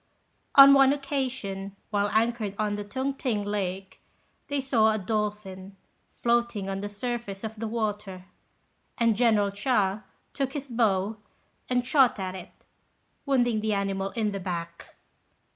On one occasion, while anchored on the Tung t'ing lake, they saw a dolphin floating on the surface of the water; and General Chia took his bow and shot at it, wounding the creature in the back.